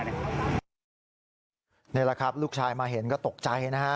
นี่แหละครับลูกชายมาเห็นก็ตกใจนะฮะ